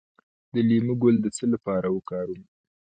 د لیمو ګل د څه لپاره وکاروم؟